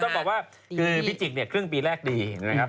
ต้องบอกว่าคือพิจิกเนี่ยครึ่งปีแรกดีนะครับ